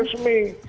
itu serius mi